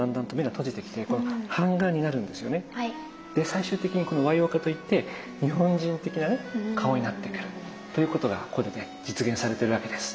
最終的にこの和様化と言って日本人的なね顔になってくるということがここでね実現されてるわけです。